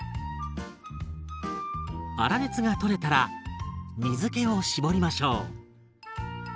粗熱が取れたら水けを絞りましょう。